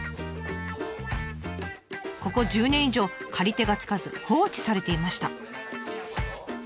ここ１０年以上借り手がつかず放置されていました。